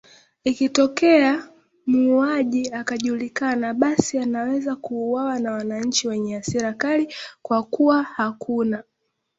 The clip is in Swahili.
ikitokea muuaji akajulikana basi anaweza kuuwawa na wanachi wenye hasra kali kwa kuwa hakuna